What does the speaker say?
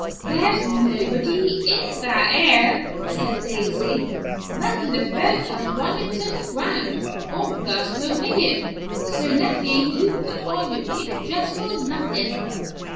"Thar's nobody in that ar," said Dilsey. "Reckon the boat has run into the ground, or bust her riggin'; so, Leffie, you've put on your pink dress for nothin'."